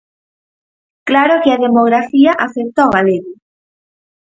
Claro que a demografía afecta o galego.